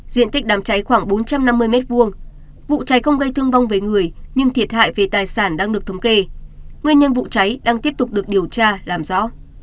diện tích đám cháy khoảng bốn trăm năm mươi m hai vụ cháy không gây thương vong về người nhưng thiệt hại về tài sản đang được thống kê nguyên nhân vụ cháy đang tiếp tục được điều tra làm rõ